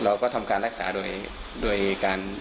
เราก็ทำการรักษาโดยการ